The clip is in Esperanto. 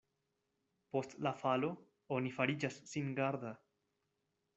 Post la falo oni fariĝas singarda.